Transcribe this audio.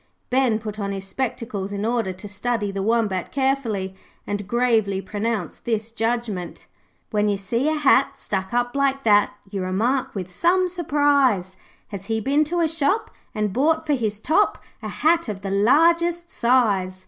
Ben put on his spectacles in order to study the Wombat carefully, and gravely pronounced this judgement 'When you see a hat Stuck up like that You remark with some surprise, "Has he been to a shop, And bought for his top A hat of the largest size?"